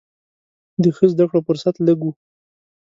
د ښه زده کړو فرصت لږ و.